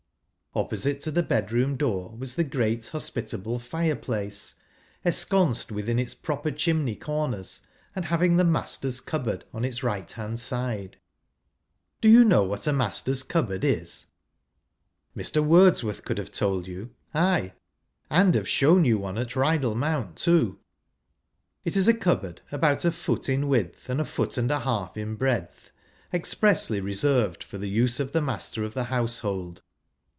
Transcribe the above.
Opposite to the bedroom door was the great hospitable fireplace, ensconced within its proper chimney corners, and having the " master's cupboard " on its right hand side. Charles Dickens.] CUMBEELAND SHEEP SHEAEEES. 447 Do you know what a " master's cupboard " is ? Mr. Wordsworth could have told you ; j ay, and have shown you one at Eydal Mount, 1 too. It is a cupboard about a foot in width, and a foot and a half in breadth, expressly reserved for the uso of the .master of the household.